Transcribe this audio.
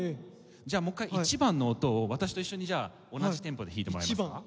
じゃあもう一回１番の音を私と一緒にじゃあ同じテンポで弾いてもらえますか？